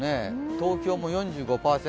東京も４５％。